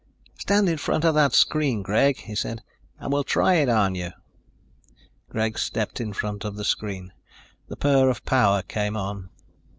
"Stand in front of that screen, Greg," he said, "and we'll try it on you." Greg stepped in front of the screen. The purr of power came on.